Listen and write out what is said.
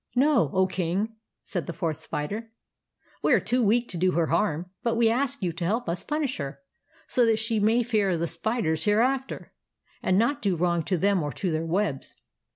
"No, O King," said the Fourth Spider; " we are too weak to do her harm ; but we ask you to help us punish her, so that she may fear the spiders hereafter, and not do wrong to them or to their webs."